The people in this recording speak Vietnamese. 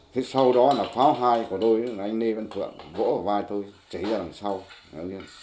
thế sau đó là pháo hai của tôi anh nê văn thượng vỗ vào vai tôi cháy ra đằng sau